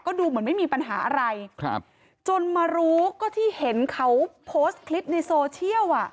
ดูเหมือนไม่มีปัญหาอะไรครับจนมารู้ก็ที่เห็นเขาโพสต์คลิปในโซเชียลอ่ะ